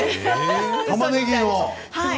たまねぎの？